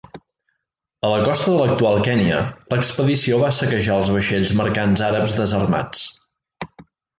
A la costa de l'actual Kenya, l'expedició va saquejar els vaixells mercants àrabs desarmats.